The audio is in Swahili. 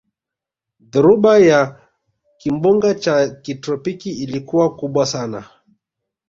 dhoruba ya kimbunga cha kitropiki ilikuwa kubwa sana